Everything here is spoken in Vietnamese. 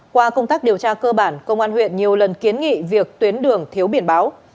qua công tác điều tra cơ bản công an huyện nhiều lần kiến nghị việc tuyến đường thiếu biển báo